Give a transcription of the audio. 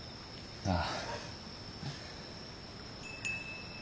ああ。